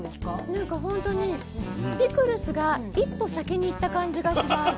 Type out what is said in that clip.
なんかほんとにピクルスが一歩先に行った感じがします。